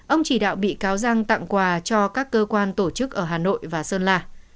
ông chỉ đạo bị cáo giang tặng quà cho các cơ quan tổ chức ở hà nội và sơn la